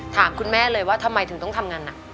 ถามคุณแม่เลยว่าทำไมถึงต้องทำงานหนัก